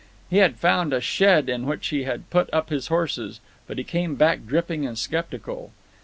He had found a shed in which he had put up his horses, but he came back dripping and skeptical.